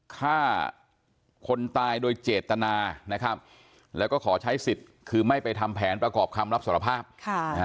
ฆ่าคนตายโดยเจตนานะครับแล้วก็ขอใช้สิทธิ์คือไม่ไปทำแผนประกอบคำรับสารภาพค่ะนะฮะ